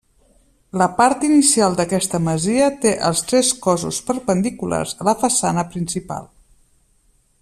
La part inicial d'aquesta masia té els tres cossos perpendiculars a la façana principal.